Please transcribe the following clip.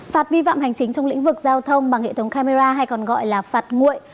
phạt vi phạm hành chính trong lĩnh vực giao thông bằng hệ thống camera hay còn gọi là phạt nguội